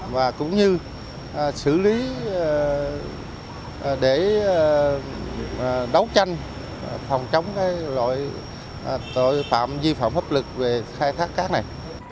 và cũng như xử lý để đấu tranh phòng chống loại tội phạm di phạm pháp luật về khai thác cát này